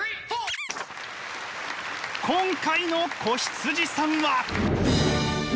今回の子羊さんは！